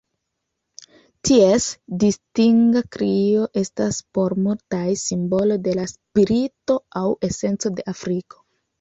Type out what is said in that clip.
Ties distinga krio estas, por multaj, simbolo de la spirito aŭ esenco de Afriko.